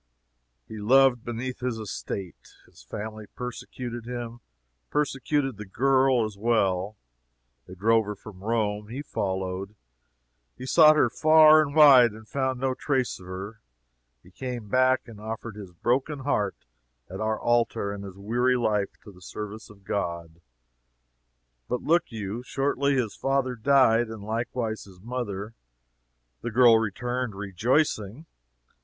He loved beneath his estate. His family persecuted him; persecuted the girl, as well. They drove her from Rome; he followed; he sought her far and wide; he found no trace of her. He came back and offered his broken heart at our altar and his weary life to the service of God. But look you. Shortly his father died, and likewise his mother. The girl returned, rejoicing.